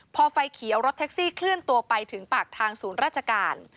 พอไฟเขียวรถแท็กซี่เคลื่อนตัวไปถึงปากทางศูนย์ราชการ